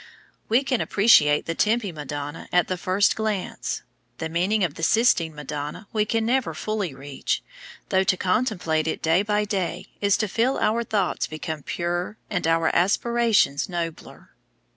We can appreciate the Tempi Madonna at the first glance; the meaning of the Sistine Madonna we can never fully reach, though to contemplate it day by day is to feel our thoughts become purer and our aspirations nobler.